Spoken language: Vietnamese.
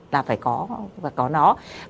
là phải có nó